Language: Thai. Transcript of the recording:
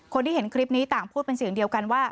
คนที่เห็นคลิปนี้ต่างพูดเป็นเสียงเดียวกันว่า